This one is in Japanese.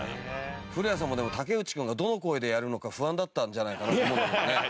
古谷さんもでも武内君がどの声でやるのか不安だったんじゃないかなと思うんだけどね。